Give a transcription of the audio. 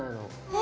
え⁉